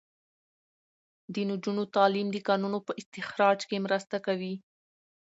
د نجونو تعلیم د کانونو په استخراج کې مرسته کوي.